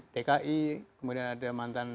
dki kemudian ada mantan